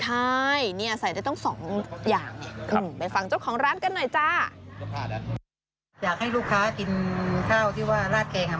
ใช่นี่อาศัยได้ตั้งสองอย่าง